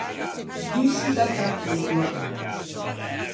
Sguscio da tratugoa.